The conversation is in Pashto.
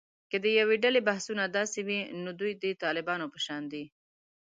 که د یوې ډلې بحثونه داسې وي، نو دوی د طالبانو په شان دي